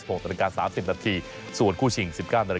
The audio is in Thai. ก็จะมีความสนุกของพวกเรา